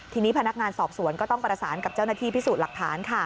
ทีนี้พนักงานสอบสวนก็ต้องประสานกับเจ้าหน้าที่พิสูจน์หลักฐาน